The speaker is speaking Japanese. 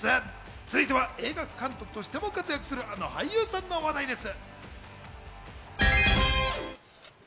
続いては映画監督としても活躍する、あの俳優さんの話題です。